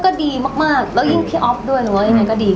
ก็ดีมากและพี่ออฟด้วยก็ดี